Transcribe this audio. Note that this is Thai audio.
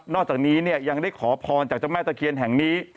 อกจากนี้เนี่ยยังได้ขอพรจากเจ้าแม่ตะเคียนแห่งนี้